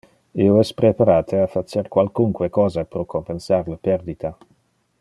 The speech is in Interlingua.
Io es preparate a facer qualcunque cosa pro compensar le perdita.